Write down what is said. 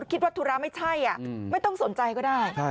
คิดว่าธุระไม่ใช่ไม่ต้องสนใจก็ได้